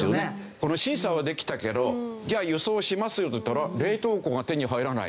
この審査はできたけどじゃあ輸送しますよといったら冷凍庫が手に入らない。